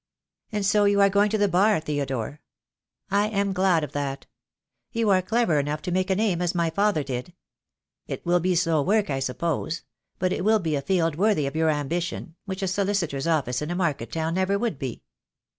And so you are going to the Bar, Theodore. I am glad of that. You are clever enough to make a name as my father did. It will be slow work, I suppose; but it will be a field worthy of your ambition, which a solicitor's office in a market town never would be."